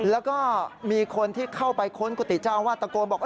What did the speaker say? แล้วก็มีคนที่เข้าไปค้นกุฏิเจ้าอาวาสตะโกนบอก